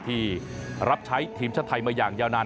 ที่รับใช้ทีมชาติไทยมาอย่างยาวนาน